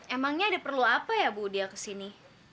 emangnya dia perlu apa ya bu dia kesini